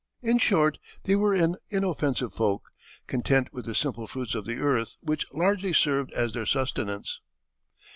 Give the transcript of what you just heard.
In short, they were an inoffensive folk, content with the simple fruits of the earth, which largely served as their sustenance.